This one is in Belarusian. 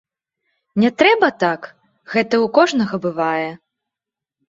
Не трэба так, гэта ў кожнага бывае.